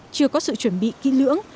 chưa có sự chuẩn bị kỹ lưỡng